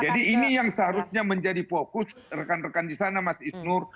jadi ini yang seharusnya menjadi fokus rekan rekan di sana mas ishnur